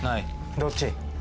どっち？